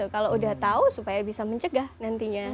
kalau udah tahu supaya bisa mencegah nantinya